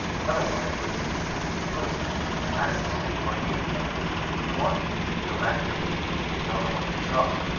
Otherwise you would have seen statues in groups. And that is why you are here, Jak: we want you to go back to your people and tell them what you saw."